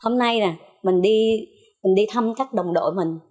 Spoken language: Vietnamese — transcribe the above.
mình đi thăm các đồng đội mình